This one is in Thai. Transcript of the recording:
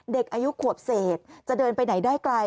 เด็กอายุขวบเศษจะเดินไปไหนได้ไกล